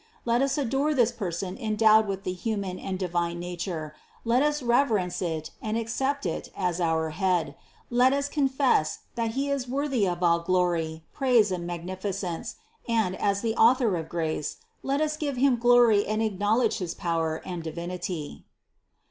Let us adore this Person endowed with the human and the divine nature, let us reverence It and accept It as our Head ; let us confess, that He is worthy of all glory, praise and magnificence, and, as the Author of grace, let us give Him glory and acknowledge his power and Di vinity."